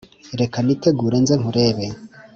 reka nitegure nze nkurebe!"